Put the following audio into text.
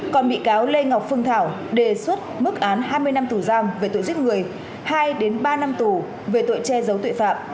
còn bị cáo lê ngọc phương thảo đề xuất mức án hai mươi năm tù giam về tội giết người hai đến ba năm tù về tội che giấu tội phạm